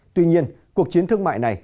tuy nhiên cuộc chiến thương mại này